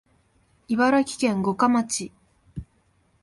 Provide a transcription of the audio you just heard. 茨城県五霞町